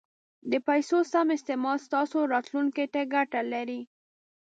د پیسو سم استعمال ستاسو راتلونکي ته ګټه لري.